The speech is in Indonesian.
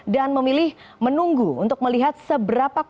dan memilih menunggu untuk melihat seberapa kuantifikasi